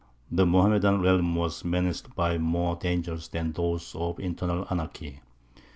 The Mohammedan realm was menaced by more dangers than those of internal anarchy.